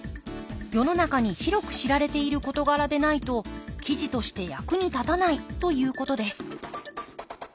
世の中に広く知られている事柄でないと記事として役に立たないということです。